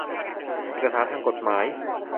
เอกสารทางกฎหมาย